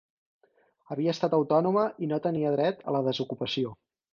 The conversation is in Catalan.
Havia estat autònoma i no tenia dret a la desocupació.